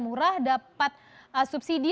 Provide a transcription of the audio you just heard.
murah dapat subsidi